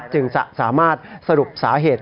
จึงจะสามารถสรุปสาเหตุ